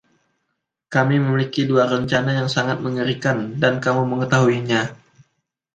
Kami memiliki dua rencana yang sangat mengerikan, dan kamu mengetahuinya.